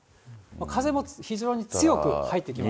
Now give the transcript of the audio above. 風も非常に強く入ってきます。